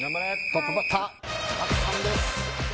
トップバッター、漠さんです。